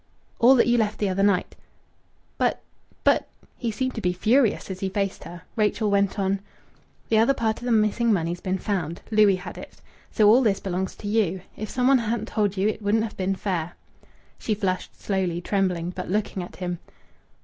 "All that you left the other night." "But but " He seemed to be furious as he faced her. Rachel went on "The other part of the missing money's been found ... Louis had it. So all this belongs to you. If some one hadn't told you it wouldn't have been fair." She flushed slowly, trembling, but looking at him.